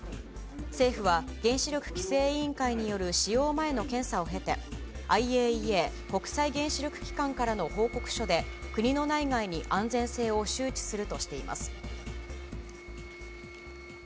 政府は、原子力規制委員会による使用前の検査を経て、ＩＡＥＡ・国際原子力機関からの報告書で、国の内外に安全性を周知するとしています。